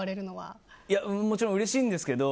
もちろん、うれしいんですけど。